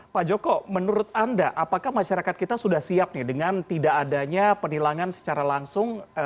pak joko menurut anda apakah masyarakat kita sudah siap nih dengan tidak adanya penilangan secara langsung